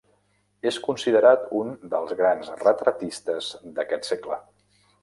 És considerat un dels grans retratistes d'aquest segle.